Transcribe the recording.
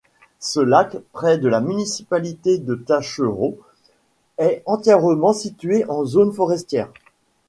Ce lac près de la municipalité de Taschereau est entièrement situé en zones forestières.